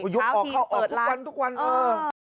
ยกออกเข้าออกทุกวันเออเออ